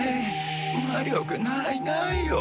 魔力ないないよ。